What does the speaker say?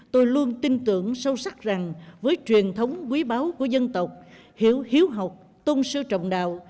tôi luôn tin tưởng sâu sắc rằng với truyền thống quý báu của dân tộc hiểu hiếu học tôn sư trọng đạo